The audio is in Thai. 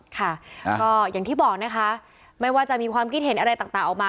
ค่ะก็อย่างที่บอกนะคะไม่ว่าจะมีความคิดเห็นอะไรต่างออกมา